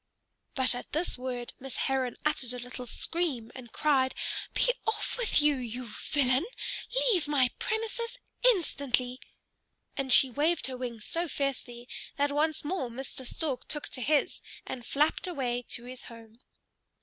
But at this word Miss Heron uttered a little scream and cried, "Be off with you, you villain! Leave my premises instantly!" and she waved her wings so fiercely that once more Mr. Stork took to his and flapped away to his home.